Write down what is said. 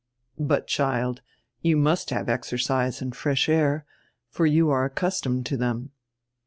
"But, child, you must have exercise and fresh air, for you are accustomed to diem."